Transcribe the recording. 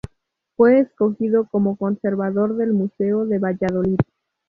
Fue escogido como conservador del Museo de Valladolid.